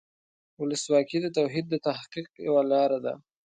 ولسواکي د توحید د تحقق یوه لاره ده.